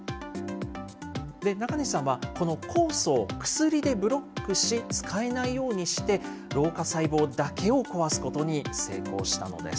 中西さんは、この酵素を薬でブロックし、使えないようにして、老化細胞だけを壊すことに成功したのです。